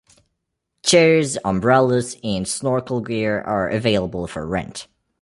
Chairs, umbrellas, and snorkel gear are available for rent.